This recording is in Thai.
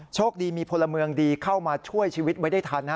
โชคดีมีพลเมืองดีเข้ามาช่วยชีวิตไว้ได้ทัน